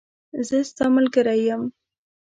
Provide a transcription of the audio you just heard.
زه ستاملګری یم